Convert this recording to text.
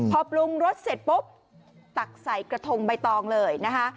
พอปรุงรสเสร็จปุ๊บตักใส่กระทงใบตองเลยนะคะ